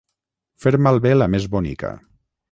Fer malbé la més bonica.